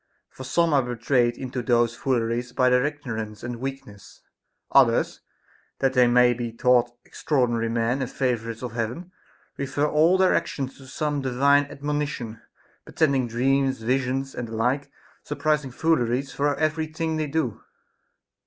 For some are betrayed into those fooleries by their ignorance and weakness ; others, that they may be thought extraordinary men and favorites of Heaven, refer all their actions to some divine admonition pretending dreams, visions, and the like surprising fooleries for every thing they do.